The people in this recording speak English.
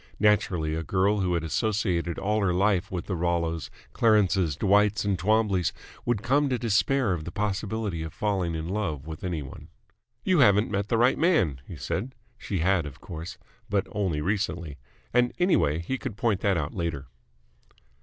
Naturally a girl who had associated all her life with the Rollos, Clarences, Dwights, and Twombleys would come to despair of the possibility of falling in love with any one. "You haven't met the right man," he said. She had, of course, but only recently: and, anyway, he could point that out later.